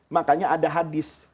makanya ada hadis